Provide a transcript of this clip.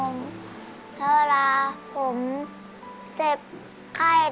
อเรนนี่ส์ขอบคุณครับ